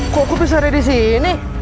kok ku bisa ada di sini